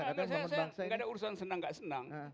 karena saya tidak ada urusan senang tidak senang